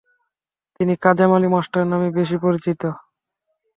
তিনি কাজেম আলী মাস্টার নামে বেশি পরিচিত।